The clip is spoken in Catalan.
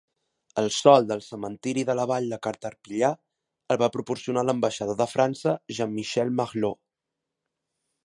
El sòl del cementiri de la vall de Caterpillar el va proporcionar l'ambaixador de França, Jean-Michel Marlaud.